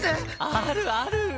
あるある。